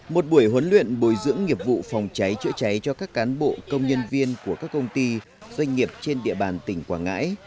một buổi huấn luyện bồi dưỡng nghiệp vụ phòng cháy chữa cháy cho các cán bộ công nhân viên của các công ty doanh nghiệp trên địa bàn tỉnh quảng ngãi